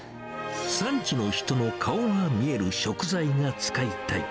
産地の人の顔が見える食材が使いたい。